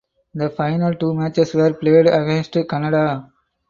The final two matches were played against Canada.